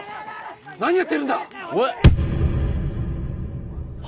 何やってるんだおえ？